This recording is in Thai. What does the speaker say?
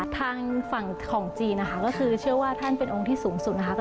ทางฝั่งของจีนคือเชื่อว่าท่านเป็นองค์ที่สูงสุด